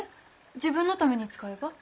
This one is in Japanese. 自分のために使えば？